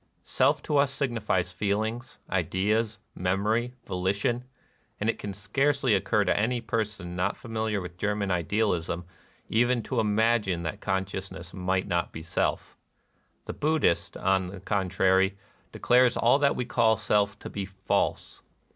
Self to us signifies feelings, ideas, memory, volition ; and it can scarcely occur to any person not familiar with German idealism even to imagine that consciousness might not be Self. The Buddhist, on the con trary, declares all that we call Self to be false.